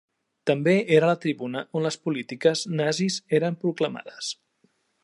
També era la tribuna on les polítiques nazis eren proclamades.